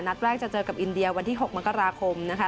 นัดแรกจะเจอกับอินเดียวันที่๖มกราคมนะคะ